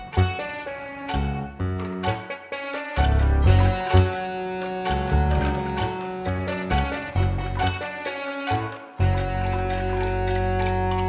yang ini udah kecium